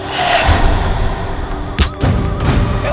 jangan bunuh saya